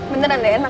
beneran deh enak